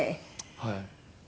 はい。